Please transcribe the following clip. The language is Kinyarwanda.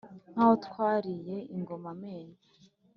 nk’aho twariye ingoma amenyo